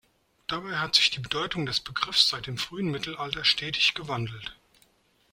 Dabei hat sich die Bedeutung des Begriffs seit dem frühen Mittelalter stetig gewandelt.